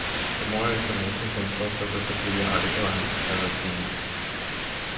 For more information consult the Wikipedia article on Melusine.